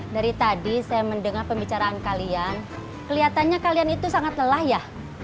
dari tadi saya mendengar pembicaraan kalian kelihatannya kalian itu sangat lelah ya